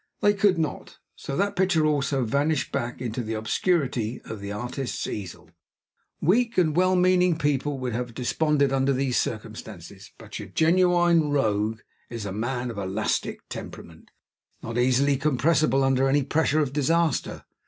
They could not. So that picture also vanished back into the obscurity of the artist's easel. Weak and well meaning people would have desponded under these circumstances; but your genuine Rogue is a man of elastic temperament, not easily compressible under any pressure of disaster.